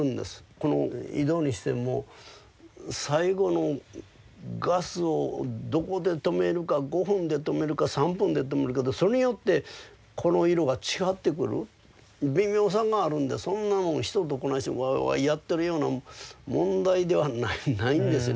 この井戸にしても最後のガスをどこで止めるか５分で止めるか３分で止めるかでそれによってこの色が違ってくる微妙さがあるんでそんなもん人とこないしてワーワーやってるような問題ではないんですよね